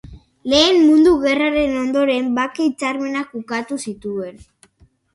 Lehen Mundu Gerraren ondoren bake-hitzarmenak ukatu zituen.